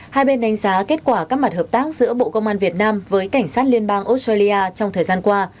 hai bên đánh giá kết quả các mặt hợp tác giữa bộ công an việt nam với cảnh sát liên bang australia trong thời gian qua